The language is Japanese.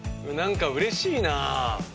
なんかうれしいな。